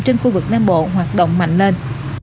trên khu vực nam bộ hoạt động mạnh lên